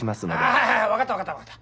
ああはいはい分かった分かった。